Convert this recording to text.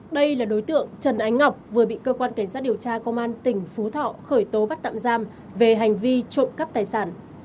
đây là đối tượng trần ánh ngọc vừa bị cơ quan cảnh sát điều tra công an tỉnh phú thọ khởi tố bắt tạm giam về hành vi trộm cắp tài sản